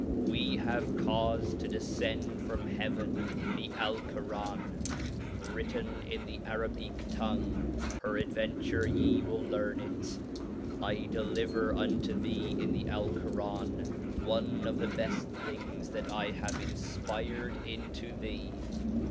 We have caufed to defcend from heaven the A Ic or an y\^mttn in the ttx^z ^^^/^^f tongue, perad venture ye will learn it. I deliver unto thee in the Alcoran, one of. the beft .things that I have infpired into thee.